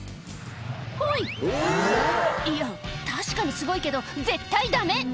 「ほい」いや確かにすごいけど絶対ダメ